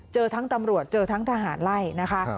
เจอทั้งตำรวจเจอทั้งทหารไล่นะคะ